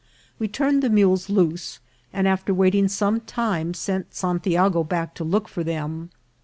We turned the mules loose, and after waiting some time, sent Santiago back to look for them.